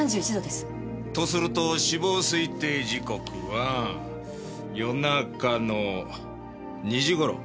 とすると死亡推定時刻は夜中の２時頃。